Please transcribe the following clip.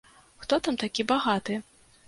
Хто там такі багаты?